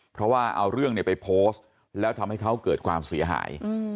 เพราะว่าเอาเรื่องไปโพสต์แล้วทำให้เขาเกิดความเสียหาย